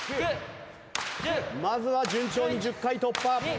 まずは順調に１０回突破。